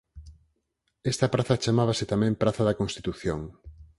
Esta praza chamábase tamén Praza da Constitución.